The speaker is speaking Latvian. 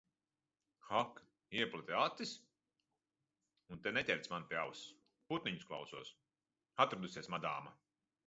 Ak! Iepleti acis? Un te neķērc man pie auss, putniņus klausos. Atradusies madāma.